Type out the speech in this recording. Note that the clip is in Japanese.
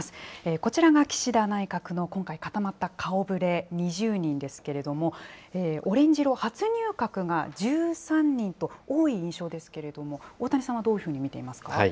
こちらが岸田内閣の今回、固まった顔ぶれ２０人ですけれども、オレンジ色、初入閣が１３人と多い印象ですけれども、大谷さんはどういうふうに見ていますか？